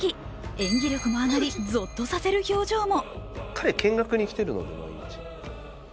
演技力も上がりゾッとさせる表情も。